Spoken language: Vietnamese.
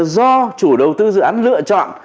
do chủ đầu tư dự án lựa chọn